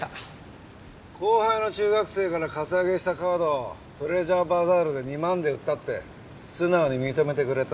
後輩の中学生からカツアゲしたカードをトレジャーバザールで２万で売ったって素直に認めてくれた。